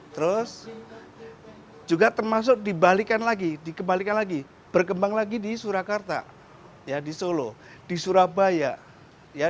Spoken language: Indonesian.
terus juga termasuk dikembalikan lagi berkembang lagi di surakarta di solo di surabaya